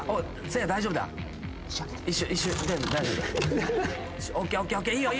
いいよ。